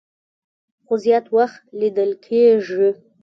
خو زيات وخت ليدل کيږي